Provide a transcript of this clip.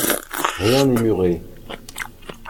Rien n’est muré.